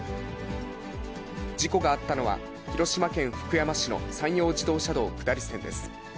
事故があったのは、広島県福山市の山陽自動車道下り線です。